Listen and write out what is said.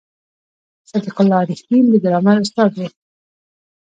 صدیق الله رښتین د ګرامر استاد و.